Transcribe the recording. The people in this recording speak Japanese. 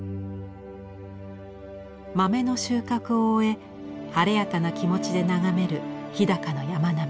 豆の収穫を終え晴れやかな気持ちで眺める日高の山並み。